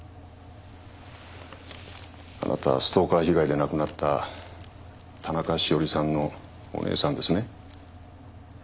あなたはストーカー被害で亡くなった田中栞さんのお姉さんですね？